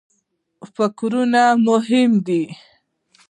فکرونه مهم دي.